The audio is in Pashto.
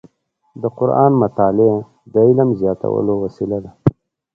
د قرآن مطالع د علم زیاتولو وسیله ده.